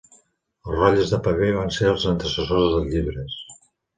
Els rotlles de paper van ser els antecessors dels llibres.